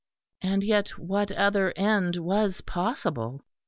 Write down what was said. And yet what other end was possible?